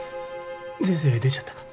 ゼゼ出ちゃったか？